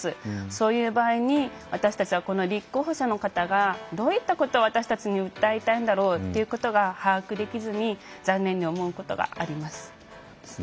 そういう場合に、私たちは立候補者の方がどういったことを私たちに訴えたいんだろうということが把握できずに残念に思うことがあります。